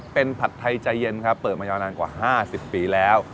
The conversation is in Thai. เป็นผัดไทยใจเย็นครับเปิดมายาวนานกว่า๕๐ปีแล้ว